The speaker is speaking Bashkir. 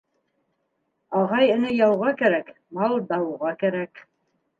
Ағай-эне яуға кәрәк, мал дауға кәрәк.